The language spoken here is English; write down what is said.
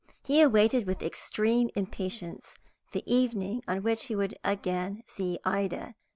He awaited with extreme impatience the evening on which he would again see Ida.